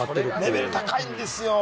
レベル高いんですよ。